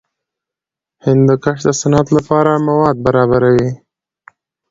هندوکش د صنعت لپاره مواد برابروي.